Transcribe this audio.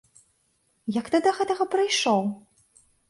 Як ты да гэтага прыйшоў?